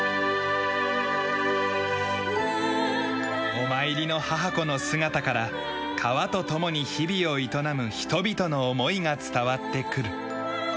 お参りの母子の姿から川と共に日々を営む人々の思いが伝わってくる。